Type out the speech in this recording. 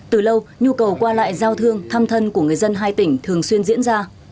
từ lâu nhu cầu qua lại giao thương thăm thân của người dân hai tỉnh thường xuyên diễn ra